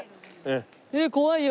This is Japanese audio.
えっ怖いよ。